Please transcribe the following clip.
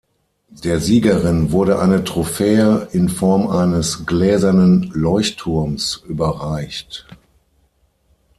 Der Siegerin wurde eine Trophäe in Form eines "Gläsernen Leuchtturms" überreicht.